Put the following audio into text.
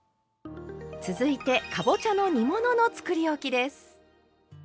続いてかぼちゃの煮物のつくりおきです。